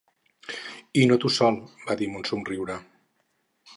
"I no tu sol", va dir amb un somriure.